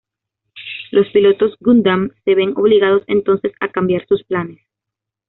Los pilotos Gundam se ven obligados entonces a cambiar sus planes.